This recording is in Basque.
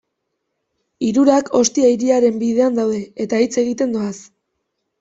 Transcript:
Hirurak Ostia hiriaren bidean daude eta hitz egiten doaz.